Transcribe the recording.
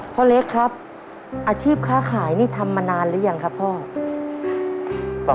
พ่อเล็กครับอาชีพค้าขายนี่ทำมานานหรือยังครับพ่อ